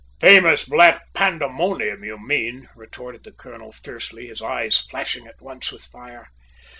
"Famous black pandemonium, you mean!" retorted the colonel fiercely, his eyes flashing at once with fire.